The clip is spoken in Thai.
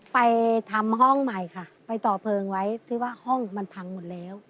ไปทำห้องใหม่ค่ะไปต่อเพลิงไว้ที่ว่าห้องมันพังหมดแล้ว